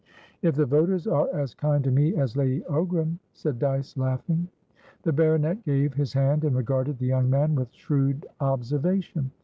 "If the voters are as kind to me as Lady Ogram," said Dyce, laughing. The baronet gave his hand, and regarded the young man with shrewd observation.